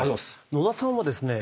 野田さんはですね。